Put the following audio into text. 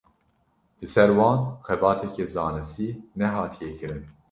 Li ser wan xebateke zanistî nehatiye kirin.